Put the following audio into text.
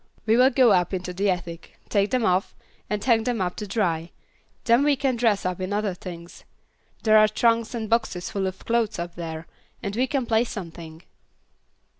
We will go up into the attic, take them off, and hang them up to dry; then we can dress up in other things. There are trunks and boxes full of clothes up there, and we can play something."